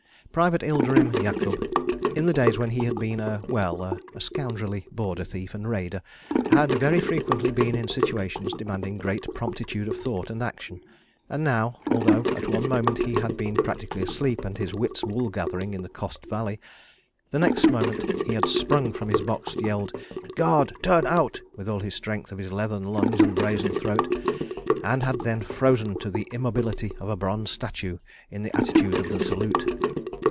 Private Ilderim Yakub (in the days when he had been a—well—a scoundrelly border thief and raider) had very frequently been in situations demanding great promptitude of thought and action; and now, although at one moment he had been practically asleep and his wits wool gathering in the Khost Valley, the next moment he had sprung from his box, yelled "Guard turn out!" with all the strength of his leathern lungs and brazen throat, and had then frozen to the immobility of a bronze statue in the attitude of the salute.